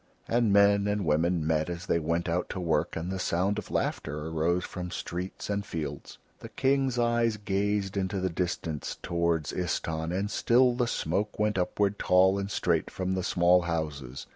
And men and women met as they went out to work and the sound of laughter arose from streets and fields; the King's eyes gazed into the distance toward Istahn and still the smoke went upward tall and straight from the small houses.